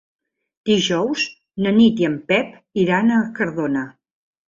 Dijous na Nit i en Pep iran a Cardona.